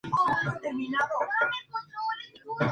Todo este material representa más de un dialecto.